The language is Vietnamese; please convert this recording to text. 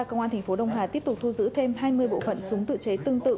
công an thành phố đông hà tiếp tục thu giữ thêm hai mươi bộ phận súng tự chế tương tự